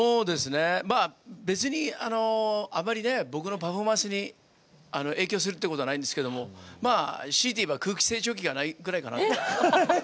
別に、あまり僕のパフォーマンスに影響するっていうことはないんですけれどもしいていえば空気清浄機がないぐらいかな。